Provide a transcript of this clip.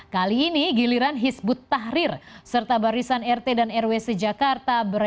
kali ini giliran hizbut tahrir serta barisan rt dan rw sejakarta